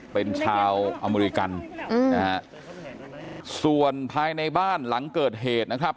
เป็นชาวอเมริกันอืมนะฮะส่วนภายในบ้านหลังเกิดเหตุนะครับ